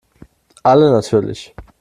Alle natürlich.